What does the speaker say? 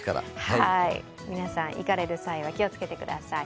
皆さん、行かれる際は気をつけてください。